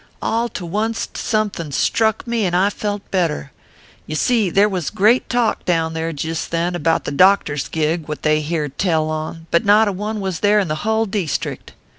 All to onct somethin struck me, and I felt better. Ye see there was great talk down thar jist then, about the doctor s gig what they heard tell on, but not a one was there in the hull deestrict.